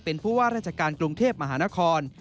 เป็นผู้ว่าราชการกรุงเทพมหานคร